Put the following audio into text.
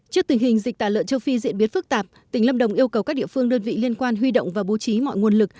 trước tình hình dịch tả lợn châu phi diễn biến phức tạp tỉnh lâm đồng yêu cầu các địa phương đơn vị liên quan huy động và bố trí mọi nguồn lực